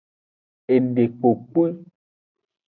Edekpopwi.